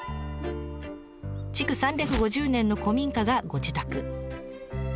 築３５０年の古民家がご自宅。